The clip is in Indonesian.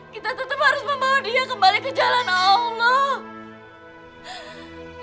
kita tetap harus membawa dia kembali ke jalan allah